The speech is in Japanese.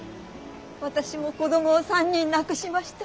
私も子供を３人亡くしました。